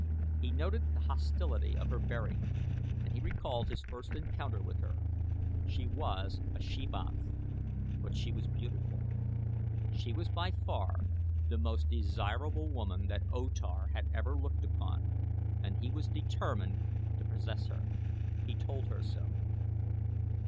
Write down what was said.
He noted the hostility of her bearing and he recalled his first encounter with her. She was a she banth, but she was beautiful. She was by far the most desirable woman that O Tar had ever looked upon and he was determined to possess her. He told her so.